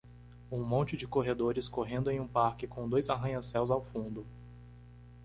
Um monte de corredores correndo em um parque com dois arranha-céus ao fundo